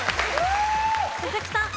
鈴木さん。